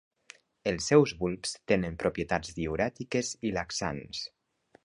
Els seus bulbs tenen propietats diürètiques i laxants.